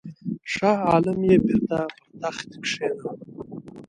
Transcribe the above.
شاه عالم یې بیرته پر تخت کښېناوه.